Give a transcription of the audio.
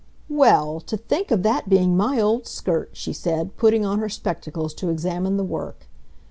"Well, to think of that being my old skirt!" she said, putting on her spectacles to examine the work.